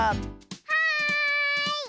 はい！